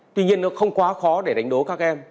tuy nhiên nó không quá khó để đánh đố các em